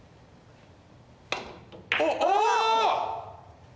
お！